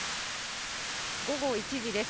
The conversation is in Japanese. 午後１時です。